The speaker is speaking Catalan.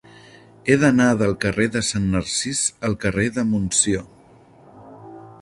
He d'anar del carrer de Sant Narcís al carrer de Montsió.